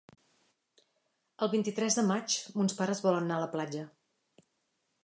El vint-i-tres de maig mons pares volen anar a la platja.